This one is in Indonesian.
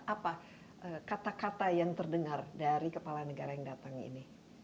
apa kata kata yang terdengar dari kepala negara yang datang ini